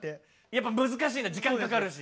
やっぱ難しいんだ時間かかるし。